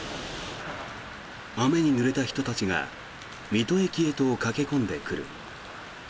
雨にぬれた人たちが水戸駅へと駆け込んでくる。